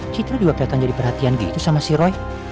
citra juga kelihatan jadi perhatian gitu sama si roy